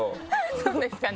そうですかね。